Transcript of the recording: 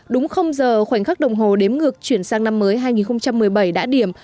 đúng không giờ khoảnh khắc đồng hồ đếm ngược chuyển sang năm mới hai nghìn một mươi bảy đã điểm